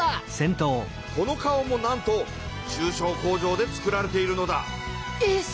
この顔もなんと中小工場で作られているのだえっ！